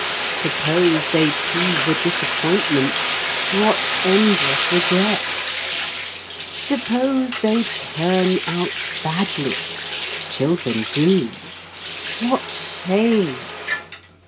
Suppose they prove a disappointment what endless regret! Suppose they "turn out badly" (children do) what shame!